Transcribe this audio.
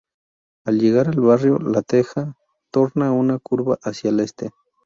Al llegar al "Barrio La Teja" torna una curva hacia el este.